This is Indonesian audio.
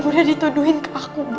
budi dituduhin ke aku bu